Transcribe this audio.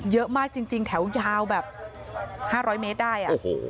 เยอะมากจริงแถวยาวแบบ๕๐๐เมตรได้